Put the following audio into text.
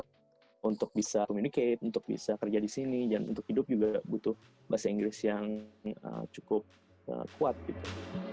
untuk bisa communicate untuk bisa kerja di sini dan untuk hidup juga butuh bahasa inggris yang cukup kuat gitu